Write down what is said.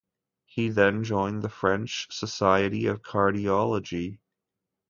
He then joined the French Society of Cardiology.